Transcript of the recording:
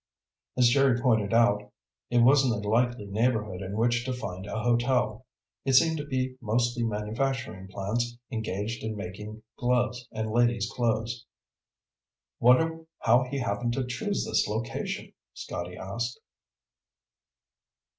As Jerry pointed out, it wasn't a likely neighborhood in which to find a hotel. It seemed to be mostly manufacturing plants engaged in making gloves and ladies clothes. "Wonder how he happened to choose this location?" Scotty asked.